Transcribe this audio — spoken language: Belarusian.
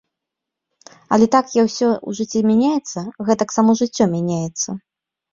Але так як усё ў жыцці мяняецца, гэтак само жыццё мяняецца.